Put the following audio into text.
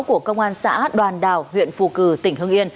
của công an xã đoàn đào huyện phù cử tỉnh hưng